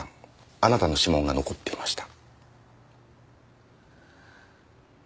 あなたの指紋が残っていました。